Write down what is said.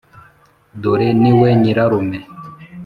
dore niwe nyirarume.